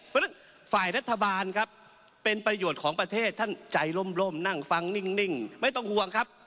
เพราะฉะนั้นฝ่ายรัฐบาลครับเป็นประโยชน์ของประเทศท่านใจล่มนั่งฟังนิ่งไม่ต้องห่วงครับ